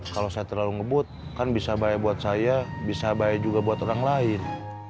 kalau saya terlalu ngebut kan bisa bahaya buat saya bisa bahaya juga buat orang lain